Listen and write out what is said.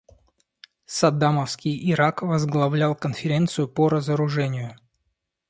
Саддамовский Ирак возглавлял Конференцию по разоружению.